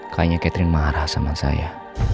kayaknya catherine marah sama saya